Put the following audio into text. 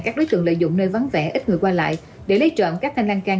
các đối tượng lợi dụng nơi vắng vẻ ít người qua lại để lấy trộm các thanh lan can